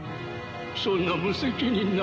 そんな無責任な。